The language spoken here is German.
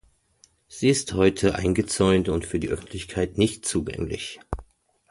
Sie ist heute eingezäunt und für die Öffentlichkeit nicht zugänglich.